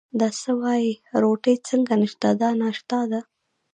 دا څه وایې، روټۍ څنګه نشته، دا ناشتا ده.